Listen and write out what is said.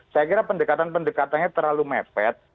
saya kira pendekatan pendekatannya terlalu mepet